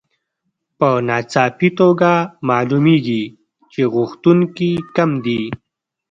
په ناڅاپي توګه معلومېږي چې غوښتونکي کم دي